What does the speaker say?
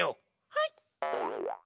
はい。